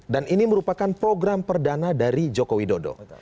dan ini merupakan program perdana dari joko widodo